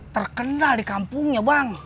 terkenal di kampungnya bang